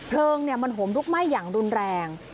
เพลิงมันห่มลุกไหม้อย่างรุนแรง